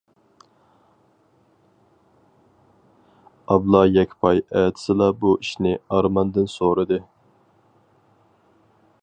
ئابلا يەكپاي ئەتىسىلا بۇ ئىشنى ئارماندىن سورىدى.